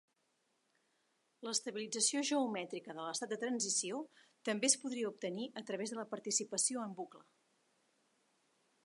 L'estabilització geomètrica de l'estat de transició també es podia obtenir a través de la participació en bucle.